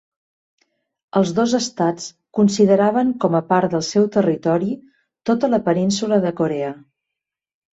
Els dos estats consideraven com a part del seu territori tota la Península de Corea.